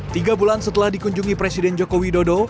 tiga bulan setelah dikunjungi presiden jokowi dodo